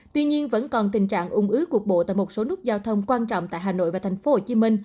tuy nhiên vẫn còn tình trạng ung ứ cục bộ tại một số nút giao thông quan trọng tại hà nội và tp hcm